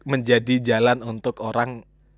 menjadi jalan untuk orang